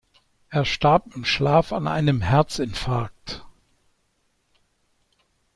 Er starb im Schlaf an einem Herzinfarkt.